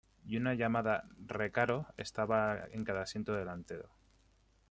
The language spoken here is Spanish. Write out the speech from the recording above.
Y una llamada "Recaro" estaba en cada asiento delantero.